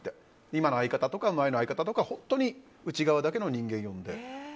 今の相方とか前の相方とか内側の人間だけ呼んで。